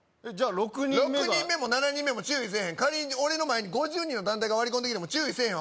６人目も７人目も注意せえへん仮に俺の前に５０人の団体が割り込んできても注意せえへんわ